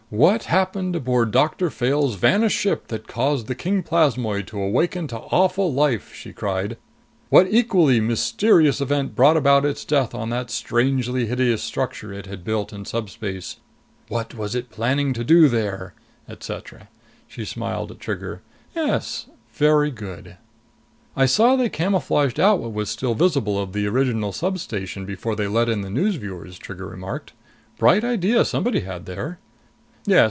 What happened aboard Doctor Fayle's vanished ship that caused the king plasmoid to awaken to awful life?" she cried. "What equally mysterious event brought about its death on that strangely hideous structure it had built in subspace? What was it planning to do there? Etcetera." She smiled at Trigger. "Yes, very good!" "I saw they camouflaged out what was still visible of the original substation before they let in the news viewers," Trigger remarked. "Bright idea somebody had there!" "Yes.